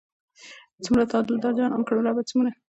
څومره تا دلدار جانان کړم رب څومره